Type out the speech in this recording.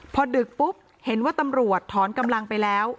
พอดึกปุ๊บเห็นว่าตำรวจถอนกำลังไปแล้ว